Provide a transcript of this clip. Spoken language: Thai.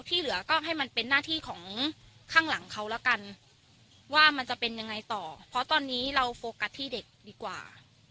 ที่เหลือก็ให้มันเป็นหน้าที่ของข้างหลังเขาแล้วกันว่ามันจะเป็นยังไงต่อเพราะตอนนี้เราโฟกัสที่เด็กดีกว่า